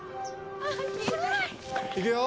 いくよ。